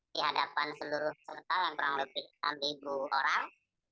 di hadapan seluruh kesegetaran kurang lebih seribu orang